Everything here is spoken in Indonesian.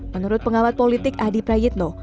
menurut pengamat politik adi prayitno